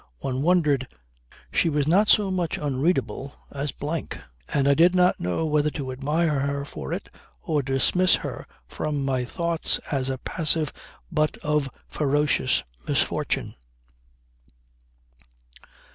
One wondered. She was not so much unreadable as blank; and I did not know whether to admire her for it or dismiss her from my thoughts as a passive butt of ferocious misfortune.